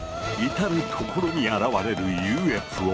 至る所に現れるＵＦＯ！